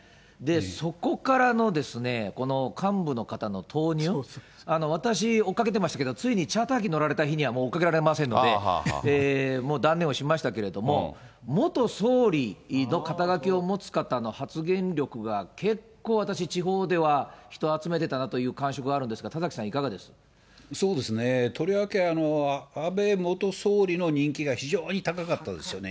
そこからのですね、幹部の方の投入、私、追っかけてましたけど、ついにチャーター機乗られた日にはもう追っかけられませんので、もう断念をしましたけれども、元総理の肩書を持つ方の発言力が結構私、地方では人集めてたなという感触があるんですが、田崎さん、そうですね、とりわけ、安倍元総理の人気が非常に高かったですよね。